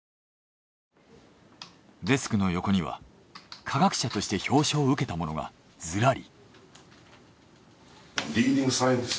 デスクの横には科学者として表彰を受けたものがずらり。